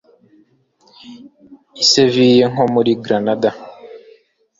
i seville nko muri granada